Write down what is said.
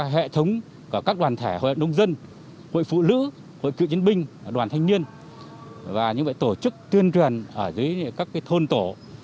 hội phụ lữ hội cựu chiến binh đoàn thanh niên và những tổ chức tuyên truyền ở dưới các thôn tổ